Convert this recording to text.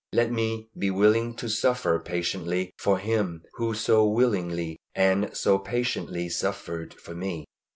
Let me be willing to suffer patiently for Him who so willingly and so patiently suffered for me.